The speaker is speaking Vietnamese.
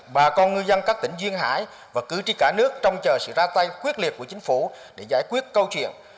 bà con ngư dân các tỉnh duyên hải và cử tri cả nước trông chờ sự ra tay quyết liệt của chính phủ để giải quyết câu chuyện